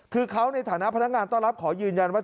คือเขาในฐานะพนักงานต้อนรับขอยืนยันว่า